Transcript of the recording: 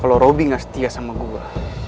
kalau robby gak setia sama gue